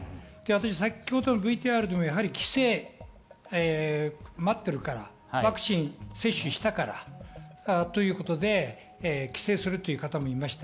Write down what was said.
先ほどＶＴＲでも帰省、ワクチン接種したからということで帰省するという方もいました。